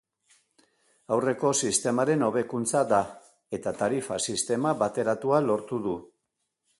Aurreko sistemaren hobekuntza da, eta tarifa-sistema bateratua lortu du.